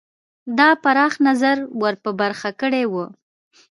دا پراخ نظر ور په برخه کړی وو.